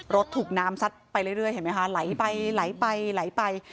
รถถูกน้ำซัดไปเรื่อยล่ายไป